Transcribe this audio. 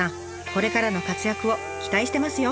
これからの活躍を期待してますよ。